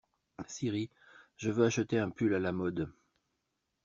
Siri, je veux acheter un pull à la mode.